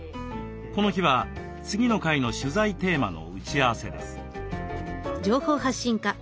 この日は次の回の取材テーマの打ち合わせです。